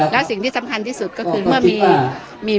แล้วสิ่งที่สำคัญที่สุดก็คือเมื่อมี